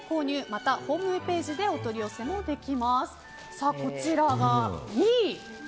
また、ホームページでお取り寄せもできます。